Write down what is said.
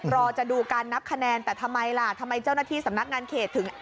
รอจะดูการนับคะแนนแต่ทำไมล่ะทำไมเจ้าหน้าที่สำนักงานเขตถึง